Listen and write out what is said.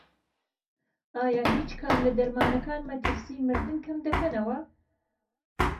ئایا هیچ کام لە دەرمانەکان مەترسی مردن کەمدەکەنەوە؟